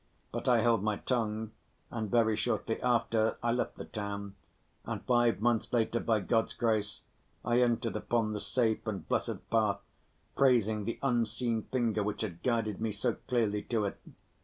But I held my tongue, and very shortly after, I left the town, and five months later by God's grace I entered upon the safe and blessed path, praising the unseen finger which had guided me so clearly to it.